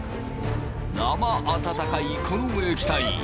生温かいこの液体。